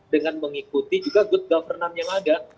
dengan mengikuti juga good governance yang ada